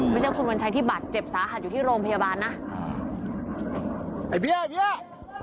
ไม่ใช่คุณวัญชัยที่บาดเจ็บสาหัสอยู่ที่โรงพยาบาลนะไอ้เบี้ย